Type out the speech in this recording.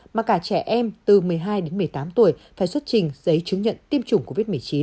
mà cả trẻ em từ một mươi hai đến một mươi tám tuổi phải xuất trình giấy chứng nhận tiêm chủng covid một mươi chín